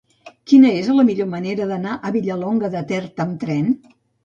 Quina és la millor manera d'anar a Vilallonga de Ter amb tren?